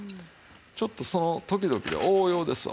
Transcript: ちょっとその時々で応用ですわ。